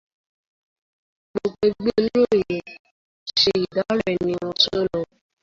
Gbogbo ẹgbẹ́ oníròyìn ṣe ìdárò ẹni wọn tó lọ.